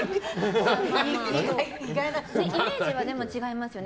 イメージは違いますもんね。